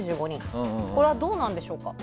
これはどうなんでしょうか？